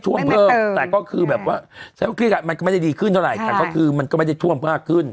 ท่วมเพิ่มแต่ก็คือแบบว่าใช้โอเคมันก็ไม่ได้ดีขึ้นเท่าไหร่แต่ก็คือมันก็ไม่ได้ท่วมมากขึ้น